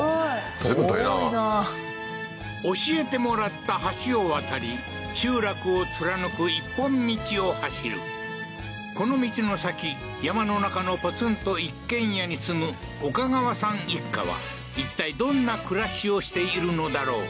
遠いな教えてもらった橋を渡り集落を貫く一本道を走るこの道の先山の中のポツンと一軒家に住むオカガワさん一家はいったいどんな暮らしをしているのだろう？